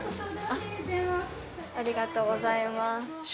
ありがとうございます。